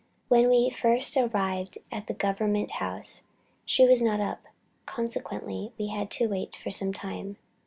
When we first arrived at the government house, she was not up, consequently we had to wait some time.